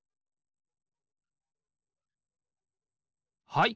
はい。